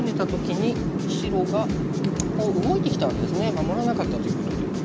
守らなかったということで。